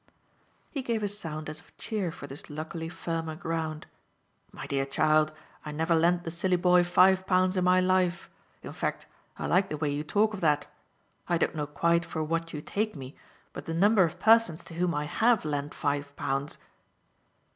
He gave a sound as of cheer for this luckily firmer ground. "My dear child, I never lent the silly boy five pounds in my life. In fact I like the way you talk of that. I don't know quite for what you take me, but the number of persons to whom I HAVE lent five pounds